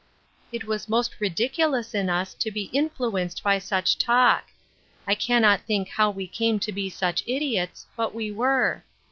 " It was most ridiculous in us to be influenced by such talk. I cannot think how we came to be such idiots, but we were.